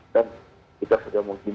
dan kita sudah mungkin